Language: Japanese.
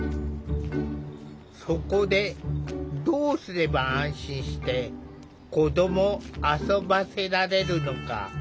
そこでどうすれば安心して子どもを遊ばせられるのか。